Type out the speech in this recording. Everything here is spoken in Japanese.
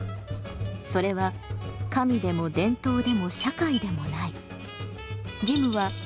それは神でも伝統でも社会でもない。